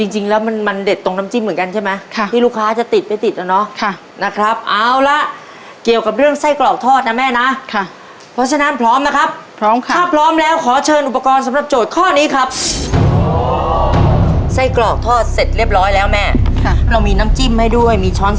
จริงแล้วมันเด็ดตรงน้ำจิ้มเหมือนกันใช่มั้ย